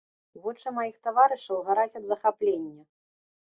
Вочы маіх таварышаў гараць ад захаплення.